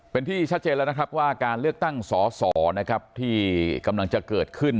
เป็นที่ชัดเจนแล้วนะครับว่าการเลือกตั้งสอสอนะครับที่กำลังจะเกิดขึ้น